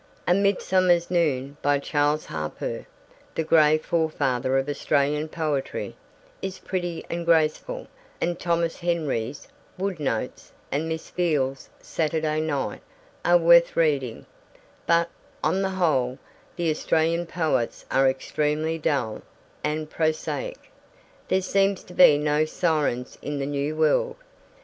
A Midsummer's Noon, by Charles Harpur, 'the grey forefather of Australian poetry,' is pretty and graceful, and Thomas Henry's Wood Notes and Miss Veel's Saturday Night are worth reading; but, on the whole, the Australian poets are extremely dull and prosaic. There seem to be no sirens in the New World.